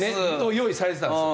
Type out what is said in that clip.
用意されてたんですよ。